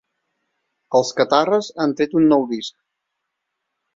Els Catarres han tret un nou disc.